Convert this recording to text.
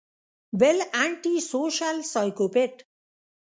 بل انټي سوشل سايکوپېت